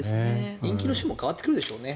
人気の種類も変わってくるでしょうね。